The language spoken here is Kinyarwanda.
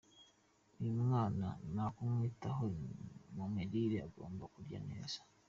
uyu mwana nukumwitaho no mumirire agomba kurya neza 👍🍾.